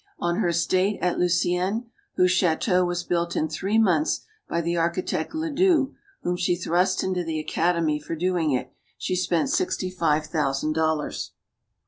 On her estate at Luciennes whose chateau was built in three months by the architect Le doux, whom she thrust into the Academy for doing it she spent sixty five thousand dollars.